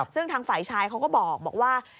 ซึ่งทางฝ่ายชายเขาก็บอกว่า